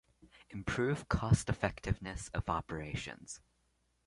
Improve cost-effectiveness of operations.